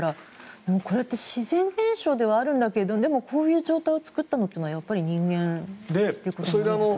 これって自然現象ではあるんだけどでも、こういう状態を作ったのはやっぱり人間ということになるんですかね。